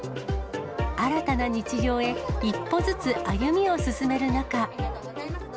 新たな日常へ、一歩ずつ歩みを進める中。